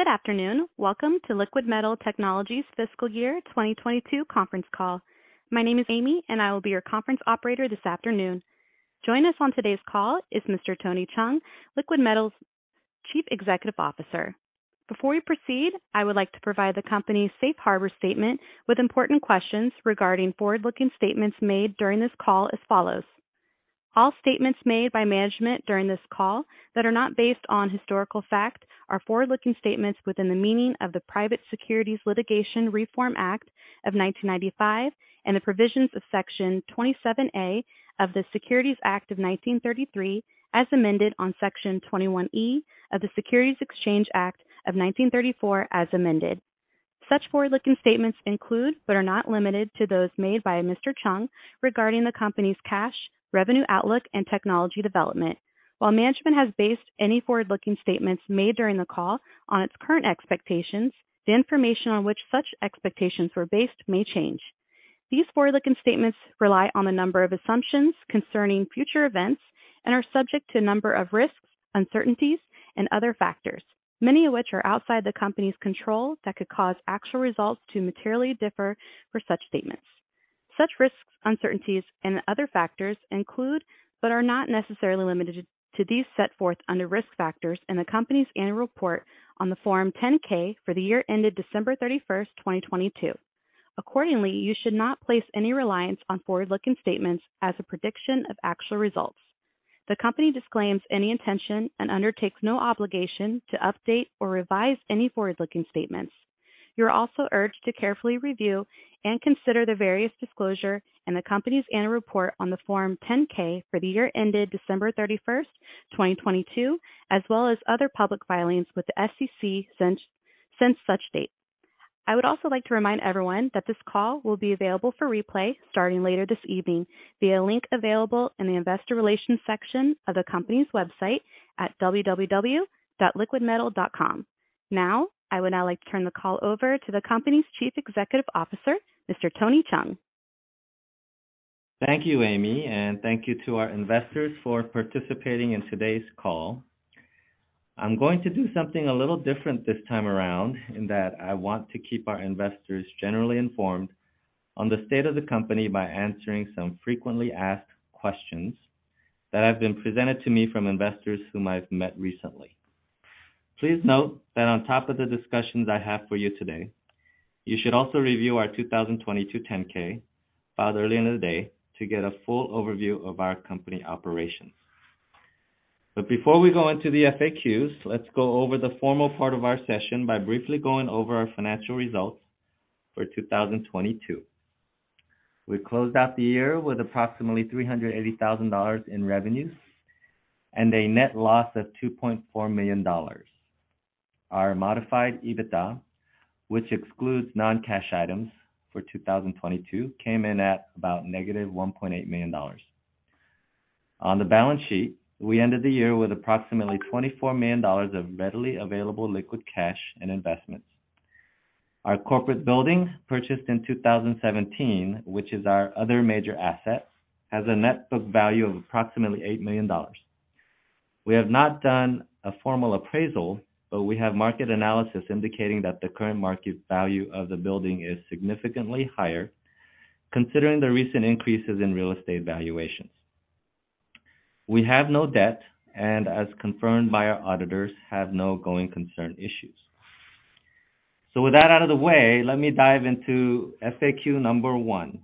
Good afternoon. Welcome to Liquidmetal Technologies Fiscal Year 2022 conference call. My name is Amy, and I will be your conference operator this afternoon. Joining us on today's call is Mr. Tony Chung, Liquidmetal's Chief Executive Officer. Before we proceed, I would like to provide the company's Safe Harbor statement with important questions regarding forward-looking statements made during this call as follows. All statements made by management during this call that are not based on historical fact are forward-looking statements within the meaning of the Private Securities Litigation Reform Act of 1995 and the provisions of Section 27A of the Securities Act of 1933, as amended on Section 21E of the Securities Exchange Act of 1934 as amended. Such forward-looking statements include, but are not limited to, those made by Mr. Chung regarding the company's cash, revenue outlook, and technology development. While management has based any forward-looking statements made during the call on its current expectations, the information on which such expectations were based may change. These forward-looking statements rely on a number of assumptions concerning future events and are subject to a number of risks, uncertainties, and other factors, many of which are outside the company's control that could cause actual results to materially differ for such statements. Such risks, uncertainties, and other factors include, but are not necessarily limited to, these set forth under Risk Factors in the company's Annual Report on the Form 10-K for the year ended December thirty-first, twenty twenty-two. Accordingly, you should not place any reliance on forward-looking statements as a prediction of actual results. The company disclaims any intention and undertakes no obligation to update or revise any forward-looking statements. You are also urged to carefully review and consider the various disclosure in the company's Annual Report on the Form 10-K for the year ended December 31st, 2022, as well as other public filings with the SEC since such date. I would also like to remind everyone that this call will be available for replay starting later this evening via a link available in the Investor Relations section of the company's website at www.liquidmetal.com. I would now like to turn the call over to the company's Chief Executive Officer, Mr. Tony Chung. Thank you, Amy. Thank you to our investors for participating in today's call. I'm going to do something a little different this time around in that I want to keep our investors generally informed on the state of the company by answering some frequently asked questions that have been presented to me from investors whom I've met recently. Please note that on top of the discussions I have for you today, you should also review our 2022 10-K filed earlier in the day to get a full overview of our company operations. Before we go into the FAQs, let's go over the formal part of our session by briefly going over our financial results for 2022. We closed out the year with approximately $380,000 in revenues and a net loss of $2.4 million. Our modified EBITDA, which excludes non-cash items for 2022, came in at about -$1.8 million. On the balance sheet, we ended the year with approximately $24 million of readily available liquid cash and investments. Our corporate building, purchased in 2017, which is our other major asset, has a net book value of approximately $8 million. We have not done a formal appraisal, but we have market analysis indicating that the current market value of the building is significantly higher considering the recent increases in real estate valuations. We have no debt and, as confirmed by our auditors, have no going concern issues. With that out of the way, let me dive into FAQ number one.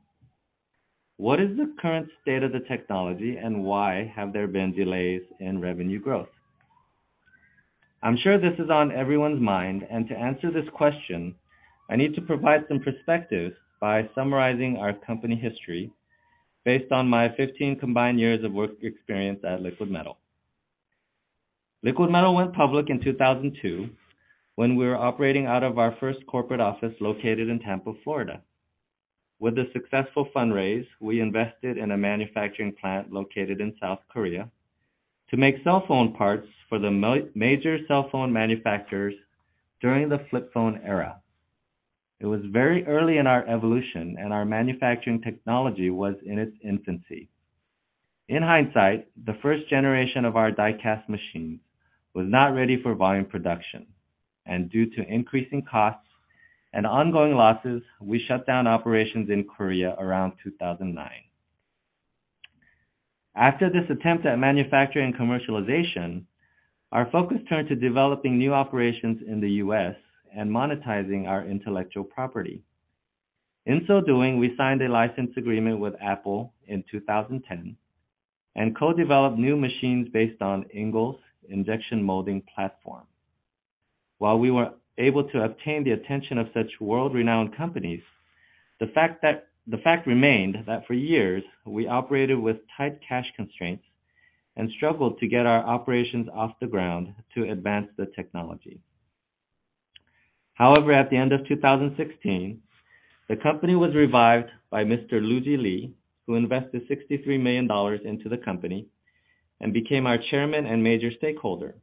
What is the current state of the technology and why have there been delays in revenue growth? I'm sure this is on everyone's mind. To answer this question, I need to provide some perspective by summarizing our company history based on my 15 combined years of work experience at Liquidmetal. Liquidmetal went public in 2002 when we were operating out of our first corporate office located in Tampa, Florida. With a successful fundraise, we invested in a manufacturing plant located in South Korea to make cell phone parts for major cell phone manufacturers during the flip phone era. It was very early in our evolution. Our manufacturing technology was in its infancy. In hindsight, the first generation of our die-cast machines was not ready for volume production. Due to increasing costs and ongoing losses, we shut down operations in Korea around 2009. After this attempt at manufacturing commercialization, our focus turned to developing new operations in the U.S. and monetizing our intellectual property. In so doing, we signed a license agreement with Apple in 2010 and co-developed new machines based on Engel's injection molding platform. While we were able to obtain the attention of such world-renowned companies, the fact remained that for years we operated with tight cash constraints and struggled to get our operations off the ground to advance the technology. At the end of 2016, the company was revived by Mr. Lugee Li, who invested $63 million into the company and became our chairman and major stakeholder.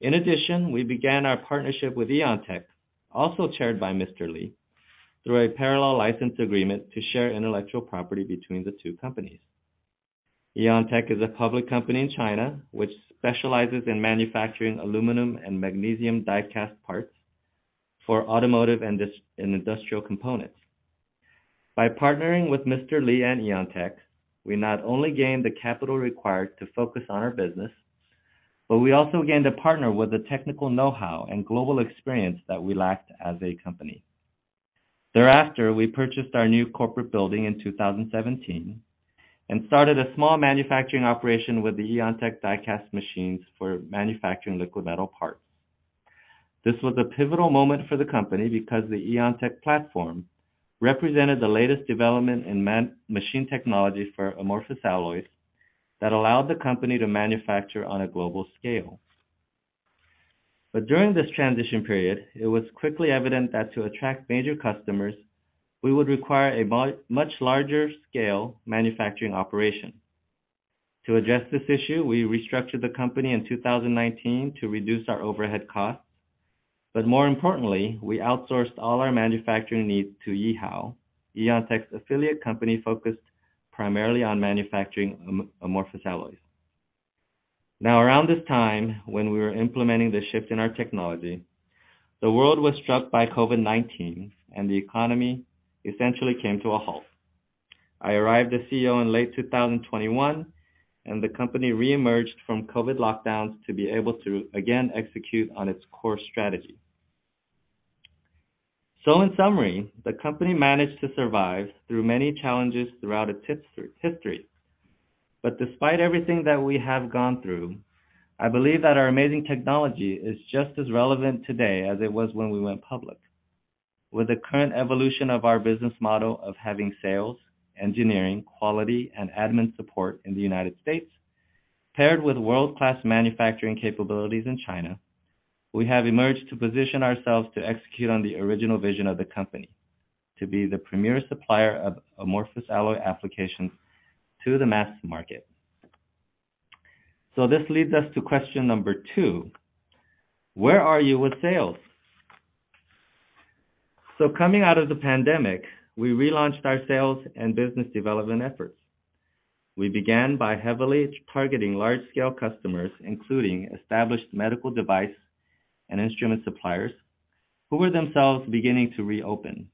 In addition, we began our partnership with Eontec, also chaired by Mr. Li, through a parallel license agreement to share intellectual property between the two companies. Eontec is a public company in China, which specializes in manufacturing aluminum and magnesium die-cast parts for automotive and industrial components. By partnering with Mr. Li and Eontec, we not only gained the capital required to focus on our business, but we also gained a partner with the technical know-how and global experience that we lacked as a company. Thereafter, we purchased our new corporate building in 2017 and started a small manufacturing operation with the Eontec die-cast machines for manufacturing Liquidmetal parts. This was a pivotal moment for the company because the Eontec platform represented the latest development in man-machine technology for amorphous alloys that allowed the company to manufacture on a global scale. During this transition period, it was quickly evident that to attract major customers, we would require a much larger scale manufacturing operation. To address this issue, we restructured the company in 2019 to reduce our overhead costs. More importantly, we outsourced all our manufacturing needs to Yihao, Eontec's affiliate company, focused primarily on manufacturing amorphous alloys. Around this time, when we were implementing the shift in our technology, the world was struck by COVID-19 and the economy essentially came to a halt. I arrived as CEO in late 2021, and the company re-emerged from COVID lockdowns to be able to again execute on its core strategy. In summary, the company managed to survive through many challenges throughout its history. Despite everything that we have gone through, I believe that our amazing technology is just as relevant today as it was when we went public. With the current evolution of our business model of having sales, engineering, quality, and admin support in the United States, paired with world-class manufacturing capabilities in China, we have emerged to position ourselves to execute on the original vision of the company: to be the premier supplier of amorphous alloy applications to the mass market. This leads us to question number two: where are you with sales? Coming out of the pandemic, we relaunched our sales and business development efforts. We began by heavily targeting large-scale customers, including established medical device and instrument suppliers, who were themselves beginning to reopen.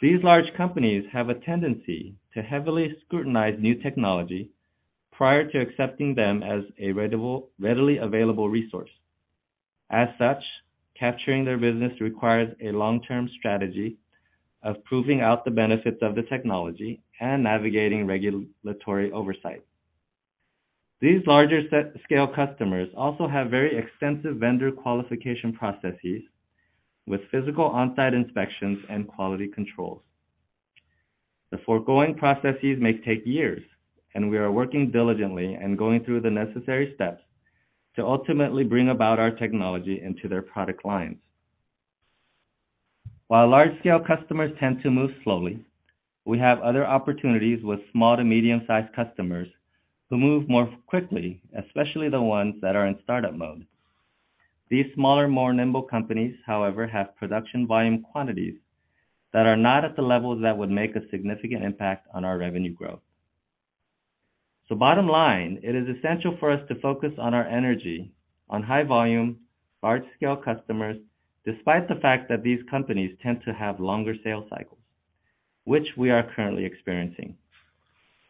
These large companies have a tendency to heavily scrutinize new technology prior to accepting them as a readily available resource. Capturing their business requires a long-term strategy of proving out the benefits of the technology and navigating regulatory oversight. These larger large-scale customers also have very extensive vendor qualification processes with physical on-site inspections and quality controls. The foregoing processes may take years. We are working diligently and going through the necessary steps to ultimately bring about our technology into their product lines. While large-scale customers tend to move slowly, we have other opportunities with small to medium-sized customers who move more quickly, especially the ones that are in startup mode. These smaller, more nimble companies, however, have production volume quantities that are not at the levels that would make a significant impact on our revenue growth. Bottom line, it is essential for us to focus on our energy on high volume, large scale customers, despite the fact that these companies tend to have longer sales cycles, which we are currently experiencing.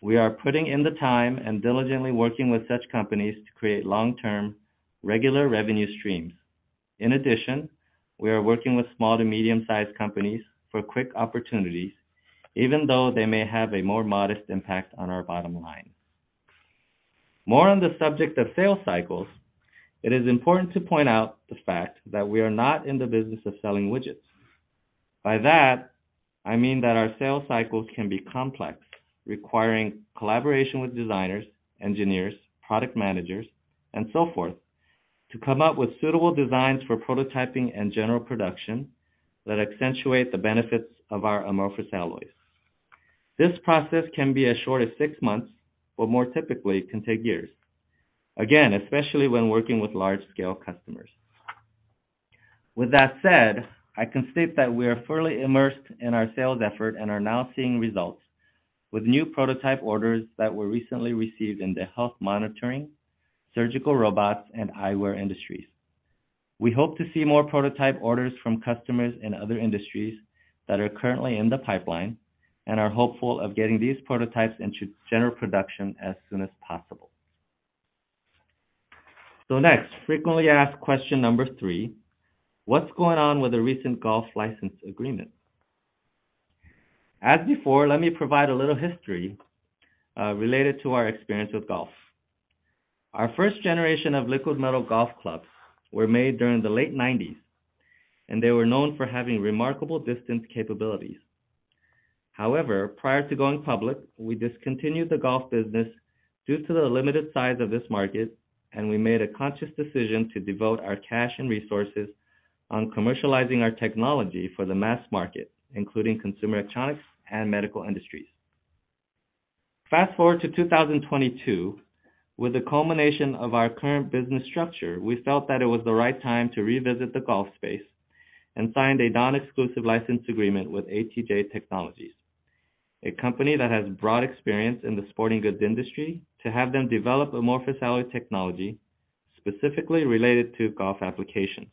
We are putting in the time and diligently working with such companies to create long-term, regular revenue streams. In addition, we are working with small to medium-sized companies for quick opportunities, even though they may have a more modest impact on our bottom line. More on the subject of sales cycles, it is important to point out the fact that we are not in the business of selling widgets. By that, I mean that our sales cycles can be complex, requiring collaboration with designers, engineers, product managers, and so forth, to come up with suitable designs for prototyping and general production that accentuate the benefits of our amorphous alloys. This process can be as short as six months, but more typically can take years, again, especially when working with large-scale customers. With that said, I can state that we are fully immersed in our sales effort and are now seeing results with new prototype orders that were recently received in the health monitoring, surgical robots, and eyewear industries. We hope to see more prototype orders from customers in other industries that are currently in the pipeline and are hopeful of getting these prototypes into general production as soon as possible. Next, frequently asked question number three: what's going on with the recent golf license agreement? As before, let me provide a little history related to our experience with golf. Our first generation of Liquidmetal golf clubs were made during the late 1990s. They were known for having remarkable distance capabilities. However, prior to going public, we discontinued the golf business due to the limited size of this market, and we made a conscious decision to devote our cash and resources on commercializing our technology for the mass market, including consumer electronics and medical industries. Fast-forward to 2022. With the culmination of our current business structure, we felt that it was the right time to revisit the golf space. Signed a non-exclusive license agreement with ATJ Technologies, a company that has broad experience in the sporting goods industry to have them develop amorphous alloy technology specifically related to golf applications.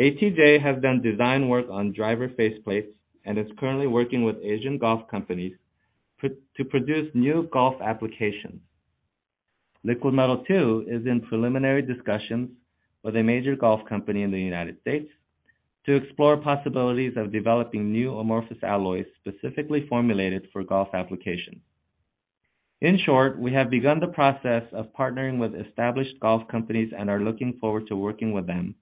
ATJ has done design work on driver face plates and is currently working with Asian golf companies to produce new golf applications. Liquidmetal, too, is in preliminary discussions with a major golf company in the U.S. to explore possibilities of developing new amorphous alloys specifically formulated for golf applications. In short, we have begun the process of partnering with established golf companies and are looking forward to working with them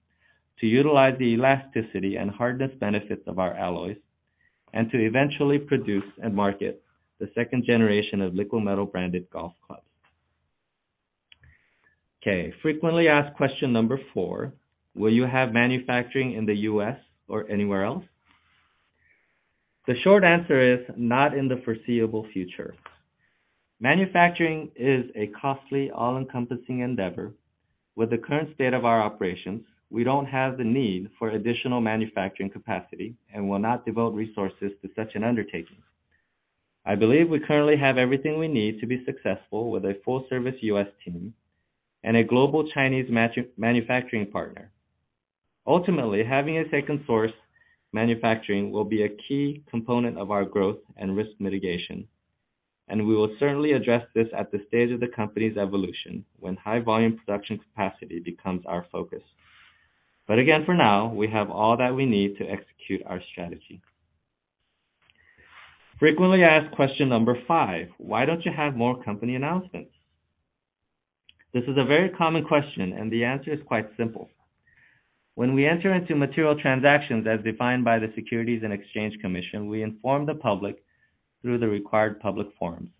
to utilize the elasticity and hardness benefits of our alloys and to eventually produce and market the second generation of Liquidmetal-branded golf clubs. Okay. Frequently asked question number four: Will you have manufacturing in the U.S. or anywhere else? The short answer is not in the foreseeable future. Manufacturing is a costly, all-encompassing endeavor. With the current state of our operations, we don't have the need for additional manufacturing capacity and will not devote resources to such an undertaking. I believe we currently have everything we need to be successful with a full-service U.S. team and a global Chinese manufacturing partner. Having a second source manufacturing will be a key component of our growth and risk mitigation, we will certainly address this at this stage of the company's evolution when high volume production capacity becomes our focus. Again, for now, we have all that we need to execute our strategy. Frequently asked question number five: Why don't you have more company announcements? This is a very common question, the answer is quite simple. When we enter into material transactions, as defined by the Securities and Exchange Commission, we inform the public through the required public forums.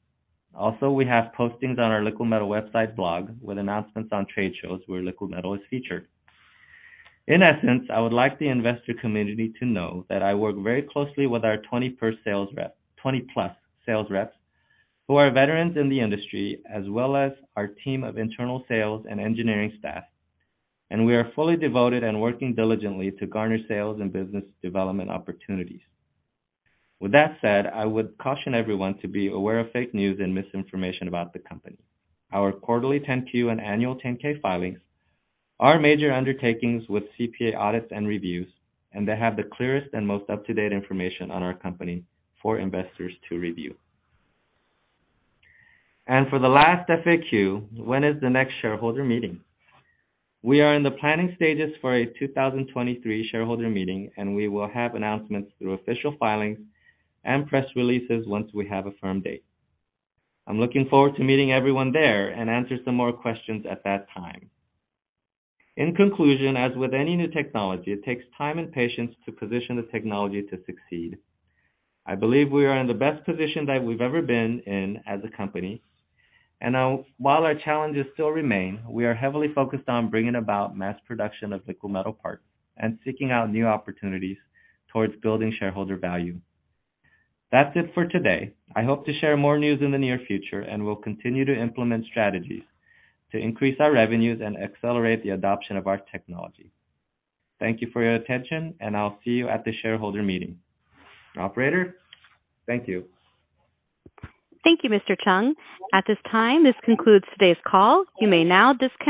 We have postings on our Liquidmetal website blog with announcements on trade shows where Liquidmetal is featured. In essence, I would like the investor community to know that I work very closely with our 20 per sales rep, 20+ sales reps who are veterans in the industry, as well as our team of internal sales and engineering staff. We are fully devoted and working diligently to garner sales and business development opportunities. With that said, I would caution everyone to be aware of fake news and misinformation about the company. Our quarterly Form 10-Q and annual Form 10-K filings are major undertakings with CPA audits and reviews. They have the clearest and most up-to-date information on our company for investors to review. For the last FAQ: When is the next shareholder meeting? We are in the planning stages for a 2023 shareholder meeting. We will have announcements through official filings and press releases once we have a firm date. I'm looking forward to meeting everyone there and answer some more questions at that time. In conclusion, as with any new technology, it takes time and patience to position the technology to succeed. I believe we are in the best position that we've ever been in as a company. Now, while our challenges still remain, we are heavily focused on bringing about mass production of Liquidmetal parts and seeking out new opportunities towards building shareholder value. That's it for today. I hope to share more news in the near future. We'll continue to implement strategies to increase our revenues and accelerate the adoption of our technology. Thank you for your attention, and I'll see you at the shareholder meeting. Operator, thank you. Thank you, Mr. Chung. At this time, this concludes today's call. You may now disconnect.